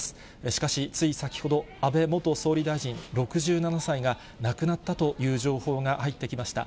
しかし、つい先ほど、安倍元総理大臣６７歳が、亡くなったという情報が入ってきました。